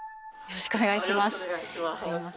よろしくお願いします。